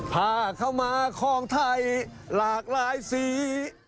ผ้าเข้ามาของไทยหลากหลายสี